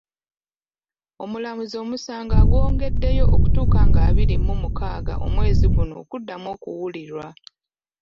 Omulamuzi omusango agwongeddeyo okutuuka nga abiri mu mukaaga omwezi guno okuddamu okuwulirwa.